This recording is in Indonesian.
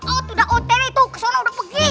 oh itu udah otw tuh kesana udah pergi